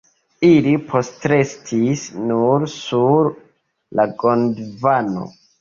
Ili postrestis nur sur la Gondvano.